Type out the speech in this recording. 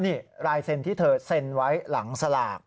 นี่ลายเซ็นที่เธอเซ็นไว้หลังสลาก